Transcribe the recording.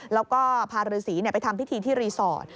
แล้วก็พาฤษีไปทำพิธีที่รีสอร์ท